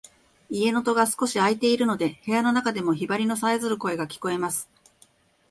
家の戸が少し開いているので、部屋の中でもヒバリのさえずる声が聞こえます。